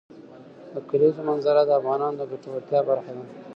د کلیزو منظره د افغانانو د ګټورتیا برخه ده.